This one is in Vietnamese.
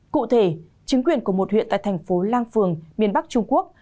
cụ thể chính quyền của một huyện tại thành phố lang phường miền bắc trung quốc